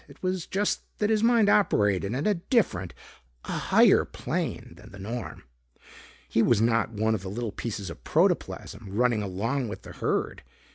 It was just that his mind operated on a different, a higher, plane than the norm. He was not one of the little pieces of protoplasm running along with the herd.